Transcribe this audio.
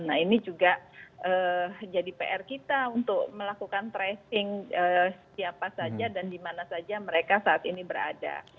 nah ini juga jadi pr kita untuk melakukan tracing siapa saja dan dimana saja mereka saat ini berada